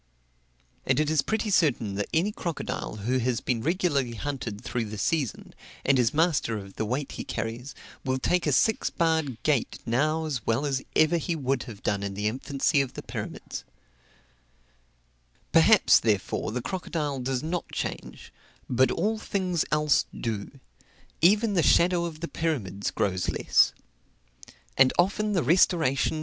And it is pretty certain that any crocodile, who has been regularly hunted through the season, and is master of the weight he carries, will take a six barred gate now as well as ever he would have done in the infancy of the pyramids. Perhaps, therefore, the crocodile does not change, but all things else do: even the shadow of the pyramids grows less. And often the restoration in vision of Fanny and the Bath road, makes me too pathetically sensible of that truth.